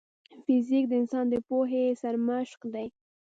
فزیک د انسان د پوهې سرمشق دی.